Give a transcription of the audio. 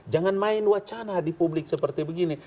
jangan main wacana di publik seperti begini